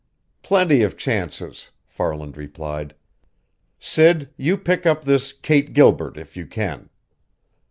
"Plenty of chances," Farland replied. "Sid, you pick up this Kate Gilbert, if you can.